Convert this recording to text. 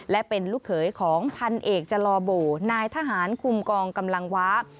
และเป็นลูกเขยของพันเอกจลอโบนายทหารคุมกองกำลังว้า